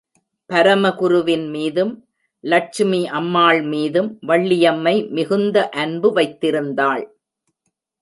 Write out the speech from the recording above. பரமகுருவின் மீதும், லட்சுமி அம்மாள் மீதும் வள்ளியம்மை மிகுந்த அன்பு வைத்திருந்தாள்.